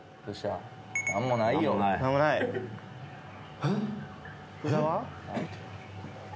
えっ？